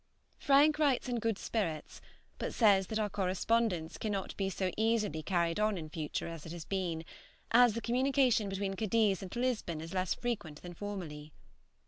Frank writes in good spirits, but says that our correspondence cannot be so easily carried on in future as it has been, as the communication between Cadiz and Lisbon is less frequent than formerly.